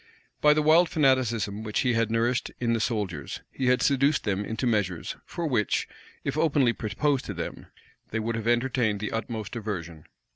By the wild fanaticism which he had nourished in the soldiers, he had seduced them into measures, for which, if openly proposed to them, they would have entertained the utmost aversion.